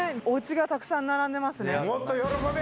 おうちがたくさん並んでますね。